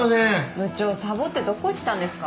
部長サボってどこ行ってたんですか？